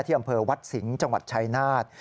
อำเภอวัดสิงห์จังหวัดชายนาฏ